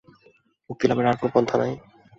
মুক্তিলাভের আর অন্য পন্থা নাই।